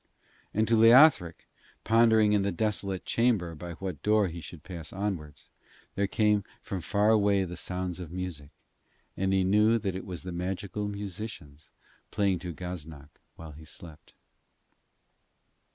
And to Leothric, pondering in the desolate chamber by what door he should pass onwards, there came from far away the sounds of music, and he knew that it was the magical musicians playing to Gaznak while he slept.